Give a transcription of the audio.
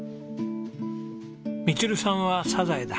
ミチルさんはサザエだ